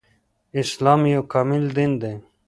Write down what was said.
اسلام يو کامل دين دی